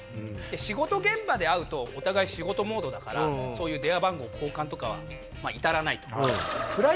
仕事現場で会うとお互い仕事モードだから電話番号交換とかは至らないと。